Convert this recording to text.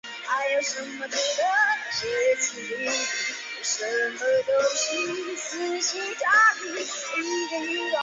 此外这段期间他又安排菲律宾图书馆学会成为国际图书馆协会联盟的会员国。